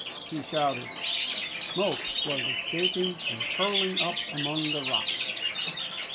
he shouted. Smoke was escaping and curling up among the rocks.